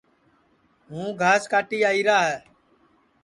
ہوں گھاس کاٹی آئیرا ہے